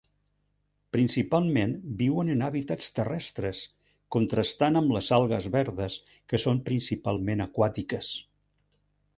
Principalment viuen en hàbitats terrestres, contrastant amb les algues verdes que són principalment aquàtiques.